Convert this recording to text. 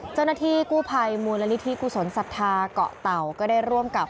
เจ้าหน้าที่กู้ภัยมูลนิธิกุศลศรัทธาเกาะเต่าก็ได้ร่วมกับ